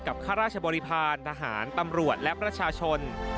ข้าราชบริพาณทหารตำรวจและประชาชน